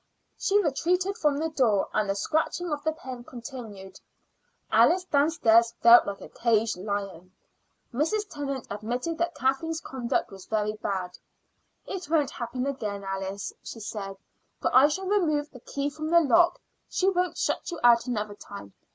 She retreated from the door, and the scratching of the pen continued. Alice downstairs felt like a caged lion. Mrs. Tennant admitted that Kathleen's conduct was very bad. "It won't happen again, Alice," she said, "for I shall remove the key from the lock. She won't shut you out another time.